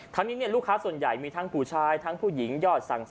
ทั้งนี้ลูกค้าส่วนใหญ่มีทั้งผู้ชายทั้งผู้หญิงยอดสั่ง